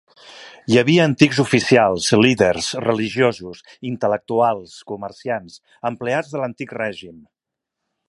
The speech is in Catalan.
Hi havia antics oficials, líders religiosos, intel·lectuals, comerciants, empleats de l'antic règim.